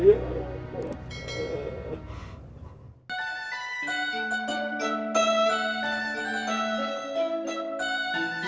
biar aku ngantuk dulu nia